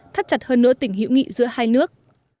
thắt chặt hơn nữa tỉnh hữu nghị giữa hai nước